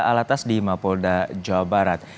pemirsa latas di mapolda jawa barat